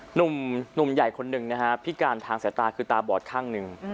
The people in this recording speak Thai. หนุ่มใหญ่คนหนึ่งนะฮะพิการทางสายตาคือตาบอดข้างหนึ่ง